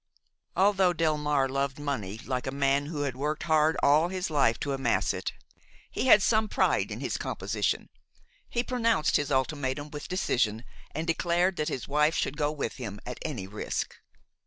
Although Delmare loved money like a man who had worked hard all his life to amass it, he had some pride in his composition; he pronounced his ultimatum with decision, and declared that his wife should go with him at any risk.